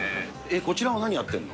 こちらは何やってるの？